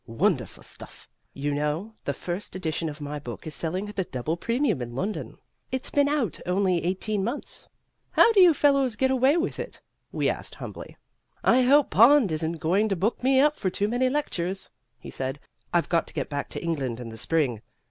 Wonderful stuff. You know, the first edition of my book is selling at a double premium in London. It's been out only eighteen months." "How do you fellows get away with it?" we asked humbly. "I hope Pond isn't going to book me up for too many lectures," he said. "I've got to get back to England in the spring.